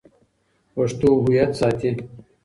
پښتو هویت ساتي.